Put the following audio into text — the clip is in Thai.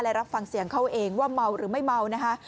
และรับฟังเสียงเขาเองว่าเมาหรือไม่เมานะคะ